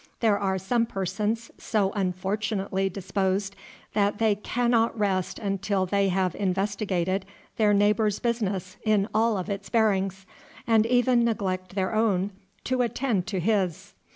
There are some persons so unfortunately disposed that they can not rest easy until they have investigated their neighbors' business in all of its bearings, and even neglect their own to attend to his.